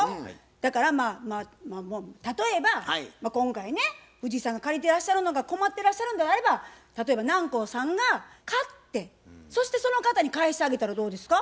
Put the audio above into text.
だからまあ例えば今回ね藤井さんが借りてらっしゃるのが困ってらっしゃるんであれば例えば南光さんが買ってそしてその方に返してあげたらどうですか？